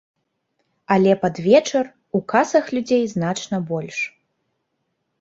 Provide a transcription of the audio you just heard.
Але пад вечар у касах людзей значна больш.